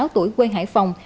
năm mươi sáu tuổi quê hải phòng